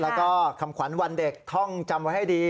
แล้วก็คำขวัญวันเด็กท่องจำไว้ให้ดี